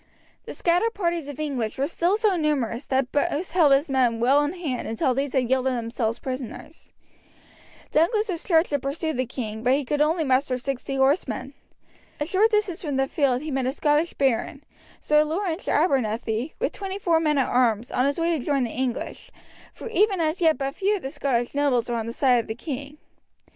The scattered parties of English were still so numerous that Bruce held his men well in hand until these had yielded themselves prisoners. Douglas was charged to pursue the king, but he could only muster sixty horsemen. A short distance from the field he met a Scottish baron, Sir Laurence Abernethy, with twenty four men at arms, on his way to join the English, for even as yet but few of the Scottish nobles were on the side of the king.